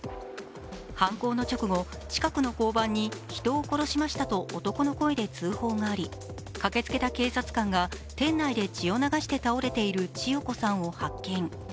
犯行の直後、近くの交番に人を殺しましたと男の声で通報があり、駆けつけた警察官が店内で血を流して倒れている千代子さんを発見。